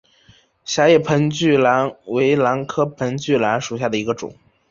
狭叶盆距兰为兰科盆距兰属下的一个种。